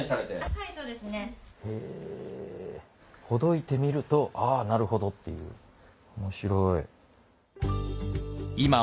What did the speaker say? ほどいてみると「あなるほど」っていう面白い。